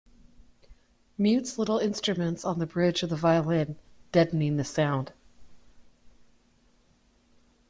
Mutes little instruments on the bridge of the violin, deadening the sound.